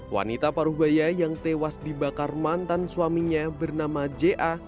wanita paruh baya yang tewas dibakar mantan suaminya bernama ja